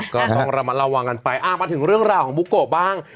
ก็ต้องระมัดระวังกันไปมาถึงเรื่องราวของบุโกะบ้าง